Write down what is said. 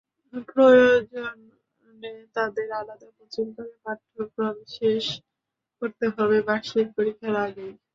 প্রয়োজনে তাদের আলাদা কোচিং করে পাঠ্যক্রম শেষ করতে হবে বার্ষিক পরীক্ষার আগেই।